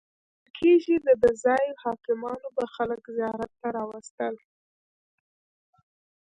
ویل کیږي دده ځایي حاکمانو به خلک زیارت ته راوستل.